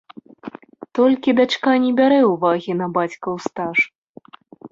Толькі дачка не бярэ ўвагі на бацькаў стаж.